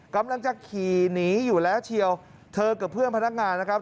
กำลังจะขี่หนีอยู่แล้วเชียวเธอกับเพื่อนพนักงานนะครับ